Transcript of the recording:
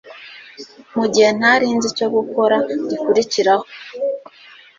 mugihe ntari nzi icyo gukora gikurikiraho